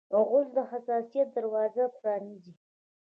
غول د حساسیت دروازه پرانیزي.